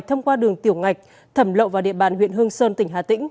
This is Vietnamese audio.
thông qua đường tiểu ngạch thẩm lộ vào địa bàn huyện hương sơn tỉnh hà tĩnh